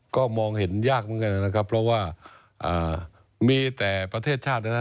ก็มองเห็นยากเหมือนกันนะครับเพราะว่ามีแต่ประเทศชาตินะครับ